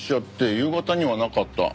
夕方にはなかった。